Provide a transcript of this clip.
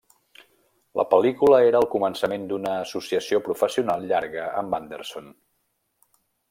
La pel·lícula era el començament d'una associació professional llarga amb Anderson.